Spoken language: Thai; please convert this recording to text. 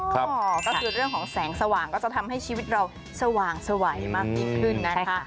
ก็คือเรื่องของแสงสว่างก็จะทำให้ชีวิตเราสว่างสวัยมากยิ่งขึ้นนะคะ